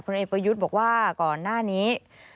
เอกประยุทธ์บอกว่าก่อนหน้านี้